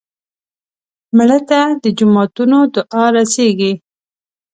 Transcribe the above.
مړه ته د جوماتونو دعا رسېږي